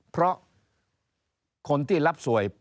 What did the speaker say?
เพราะคนที่รับสวย